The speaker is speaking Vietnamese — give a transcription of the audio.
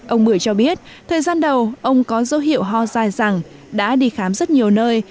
ông mười cho biết thời gian đầu ông có dấu hiệu ho dài rằng đã đi khám rất nhiều nơi